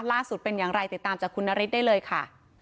เป็นอย่างไรติดตามจากคุณนฤทธิได้เลยค่ะ